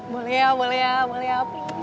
boleh ya boleh ya